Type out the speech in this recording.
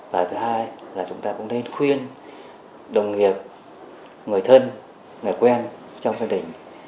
và thứ hai là chúng ta cũng nên khuyên đồng nghiệp người thân người quen trong gia đình